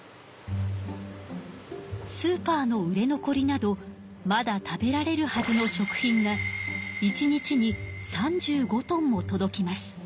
スーパーの売れ残りなどまだ食べられるはずの食品が１日に３５トンも届きます。